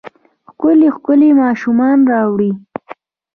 ښکلې ، ښکلې ماشومانې راوړي